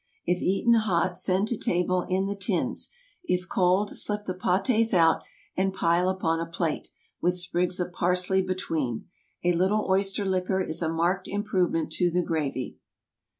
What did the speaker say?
If eaten hot, send to table in the tins. If cold, slip the pâtés out and pile upon a plate, with sprigs of parsley between. A little oyster liquor is a marked improvement to the gravy.